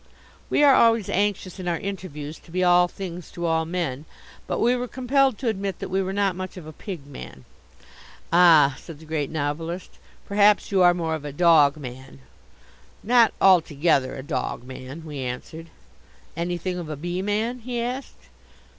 We are always anxious in our interviews to be all things to all men. But we were compelled to admit that we were not much of a pig man. "Ah," said the Great Novelist, "perhaps you are more of a dog man?" "Not altogether a dog man," we answered. "Anything of a bee man?" he asked.